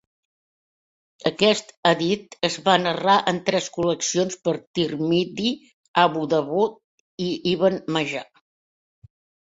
Aquest hadit es va narrar en tres col·leccions per Tirmidhi, Abu Dawood, i Ibn Majah.